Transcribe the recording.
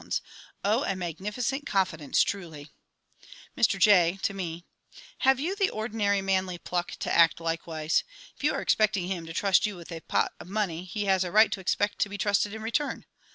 Oh, a magnificent confidence, truly! Mr J. (to me). Have you the ordinary manly pluck to act likewise? If you are expecting him to trust you with the pot of money, he has a right to expect to be trusted in return.